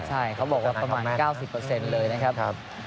ใช่เขาบอกว่าประมาณ๙๐เลยนะครับ